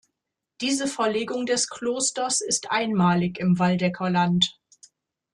Diese Verlegung des Klosters ist einmalig im Waldecker Land.